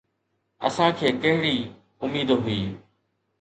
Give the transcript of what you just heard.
اسان کي ڪهڙي اميد هئي؟